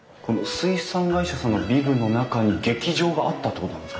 水産会社さんのビルの中に劇場があったってことなんですか？